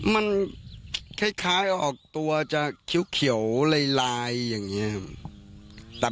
มันคล้ายออกตัวจะเขียวลายอย่างนี้ครับ